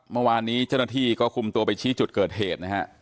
เมื่อวานนี้เจ้าหน้าที่ก็คุมตัวไปชี้จุดเกิดเหตุนะฮะ